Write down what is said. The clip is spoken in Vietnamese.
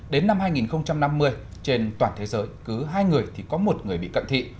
đến năm hai nghìn năm mươi trên toàn thế giới cứ hai người thì có một người bị cận thị